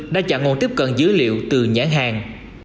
đã chạm ngồn tiếp cận dữ liệu từ nhãn hàng